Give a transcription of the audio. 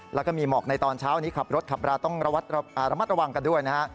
แล้วก็มีหมอกในตอนเช้านี้ขับรถขับราต้องระมัดระวังกันด้วยนะฮะ